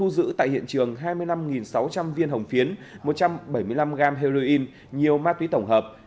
giữ tại hiện trường hai mươi năm sáu trăm linh viên hồng phiến một trăm bảy mươi năm gram heroin nhiều ma túy tổng hợp